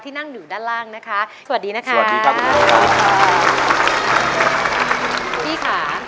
ที่นั่งอยู่ด้านล่างนะคะสวัสดีนะคะสวัสดีครับคุณพุทธครับ